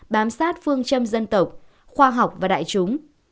bám sát phương châm dân tộc khoa học và đại chúng